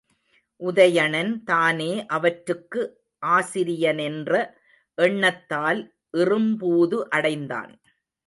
உதயணன் தானே அவற்றுக்கு ஆசிரியனென்ற எண்ணத்தால் இறும்பூது அடைந்தான்.